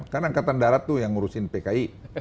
kan angkatan darat tuh yang ngurusin pki